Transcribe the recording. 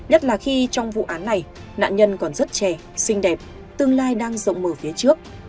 nhất là khi trong vụ án này nạn nhân còn rất trẻ xinh đẹp tương lai đang rộng mở phía trước